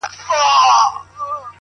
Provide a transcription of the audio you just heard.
بېخبره مي هېر کړي نعمتونه؛